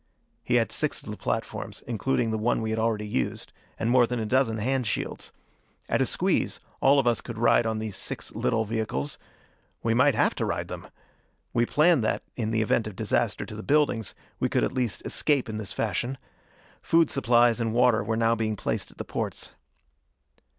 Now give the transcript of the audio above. He had six of the platforms, including the one we had already used, and more than a dozen hand shields. At a squeeze, all of us could ride on these six little vehicles. We might have to ride them! We planned that, in the event of disaster to the buildings, we could at least escape in this fashion. Food supplies and water were now being placed at the portes.